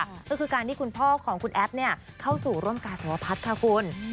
ก็คือการที่คุณพ่อของคุณแอฟเข้าสู่ร่วมการสวพัฒน์ค่ะคุณ